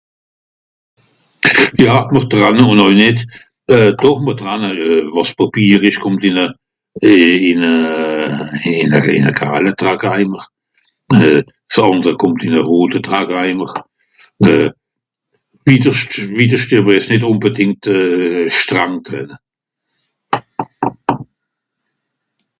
Ja, mr tranne ùn äu nìt, euh... doch mr tranne euh... wàs Pàpier ìsch kùmmt ìn e...ì... ìn e... ìn e... ìn e galle Drackeimer, euh... s àndere kùmmt ìn e rote Drackeimer. Euh... witterscht... witterscht tue mr jetzt nìt ùnbedìngt euh... strang trenne.